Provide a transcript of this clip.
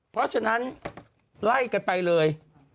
เพราะฉะนั้นไล่กันไปเลย